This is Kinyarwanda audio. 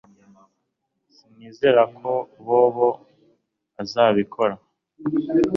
Sinizeraga ko Bobo azabikora